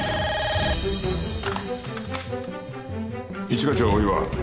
一課長大岩。